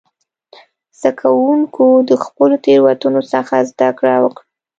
زده کوونکو د خپلو تېروتنو څخه زده کړه وکړه.